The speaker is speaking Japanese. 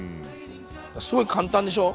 すごい簡単でしょ？